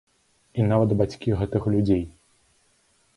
І нават бацькі гэтых людзей.